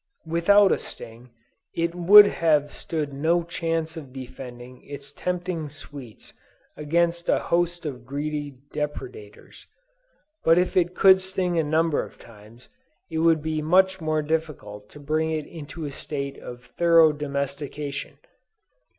Without a sting, it would have stood no chance of defending its tempting sweets against a host of greedy depredators; but if it could sting a number of times, it would be much more difficult to bring it into a state of thorough domestication.